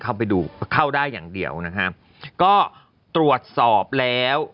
เข้าไปดูเข้าได้อย่างเดียวนะฮะก็ตรวจสอบแล้ว